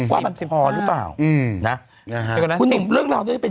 ว่าแบบสิบห่อหรือเปล่าอืมนะคุณหนูเรื่องราวนี้เป็น